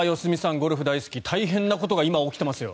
ゴルフ大好き大変なことが今起きていますよ。